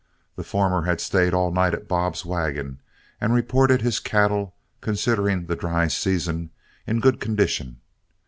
The former had stayed all night at Bob's wagon, and reported his cattle, considering the dry season, in good condition.